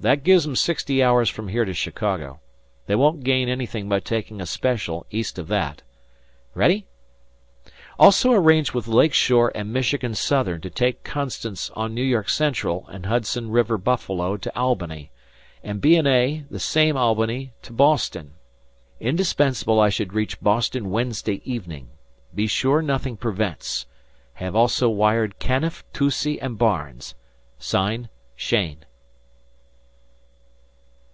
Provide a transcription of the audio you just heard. That gives 'em sixty hours from here to Chicago. They won't gain anything by taking a special east of that. Ready? _Also arrange with Lake Shore and Michigan Southern to take 'Constance' on New York Central and Hudson River Buffalo to Albany, and B. and A. the same Albany to Boston. Indispensable I should reach Boston Wednesday evening. Be sure nothing prevents. Have also wired Canniff, Toucey, and Barnes._ Sign, Cheyne."